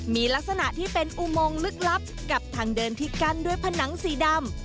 มีลักษณะที่เป็นอุโมงลึกลับกับทางเดินที่กั้นด้วยผนังสีดำ